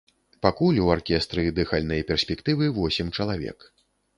Пакуль у аркестры дыхальнай перспектывы восем чалавек.